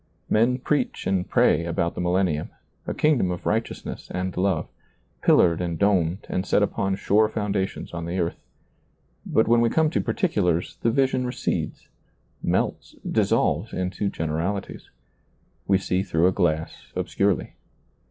Men preach and pray about the milienium — a kingdom of righteousness and love — pillared and domed and set upon sure foundations on the earth; but when we come to particulars, the vision recedes, melts, dissolves into generalities. We see through a glass obscurely.